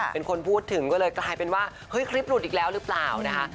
เป็นคนพูดถึงก็เลยกลายเป็นว่าเฮ้ยคลิปหลุดอีกแล้วหรือเปล่านะคะ